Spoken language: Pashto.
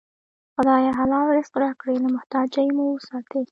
خدایه! حلال رزق راکړې، له محتاجۍ مو وساتې